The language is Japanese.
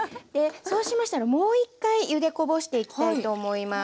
そうしましたらもう一回ゆでこぼしていきたいと思います。